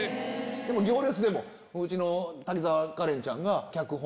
『行列』でもうちの滝沢カレンちゃんが。